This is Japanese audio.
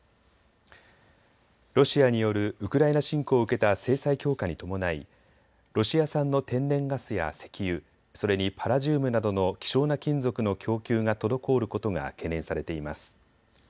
ロシアによるウクライナ侵攻を受けた制裁強化に伴いロシア産の天然ガスや石油、それにパラジウムなどの希少な金属の供給が滞ることが懸念されています。